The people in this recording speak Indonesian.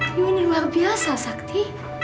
ini luar biasa sakti